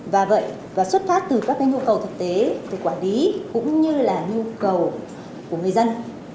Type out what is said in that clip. và vậy và xuất phát từ các cái nhu cầu thực tế từ quản lý cũng như là nhu cầu của người dân